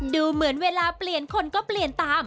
ดูเหมือนเวลาเปลี่ยนคนก็เปลี่ยนตาม